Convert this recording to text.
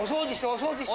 ・掃除して。